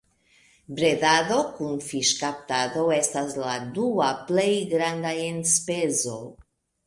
Bredado kun fiŝkaptado estas la dua plej granda enspezo.